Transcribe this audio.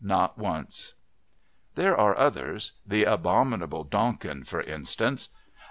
Not once!" There are others the abominable Donkin for instance.